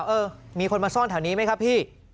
เออมีคนมาซ่อนแถวนี้ไหมครับพี่